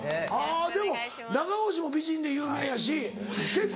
でも中越も美人で有名やし結構